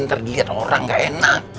ntar dilihat orang gak enak